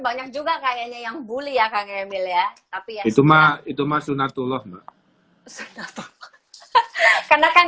banyak juga kayaknya yang muji tapi banyak juga kayaknya yang muji tapi banyak juga kayaknya yang